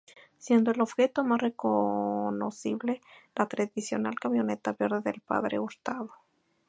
Siendo el objeto más reconocible la tradicional Camioneta Verde del Padre Hurtado.